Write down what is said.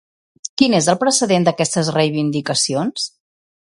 Quin és el precedent d'aquestes reivindicacions?